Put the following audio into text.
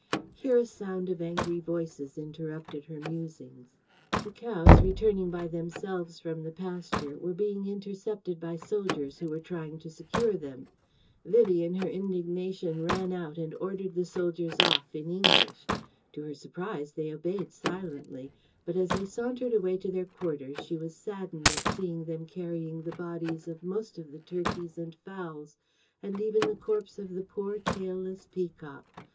Here a sound of angry voices interrupted her musings. The cows returning by themselves from the pasture were being intercepted by soldiers who were trying to secure them. Vivie in her indignation ran out and ordered the soldiers off, in English. To her surprise they obeyed silently, but as they sauntered away to their quarters she was saddened at seeing them carrying the bodies of most of the turkeys and fowls and even the corpse of the poor tailless peacock.